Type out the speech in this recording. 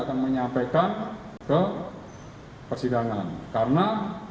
jadi saya sudah dikontrol oleh pak jokowi